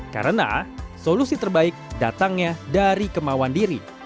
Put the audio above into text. karena solusi terbaik datangnya dari kemauan diri